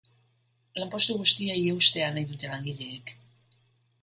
Lanpostu guztiei eustea nahi dute langileek.